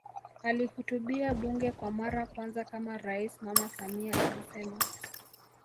Akilihutubia bunge kwa mara kwanza kama rais Mama Samia alisema